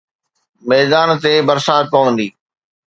ميدان تي برسات پوندي